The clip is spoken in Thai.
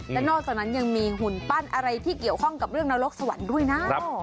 และนอกจากนั้นยังมีหุ่นปั้นอะไรที่เกี่ยวข้องกับเรื่องนรกสวรรค์ด้วยนะ